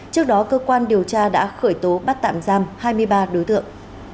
trước đó cơ quan điều tra đã khởi tố bắt tạm giam hai mươi ba đối tượng